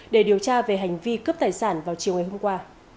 để điều tra về hành vi cướp tài sản vào chiều ngày hôm qua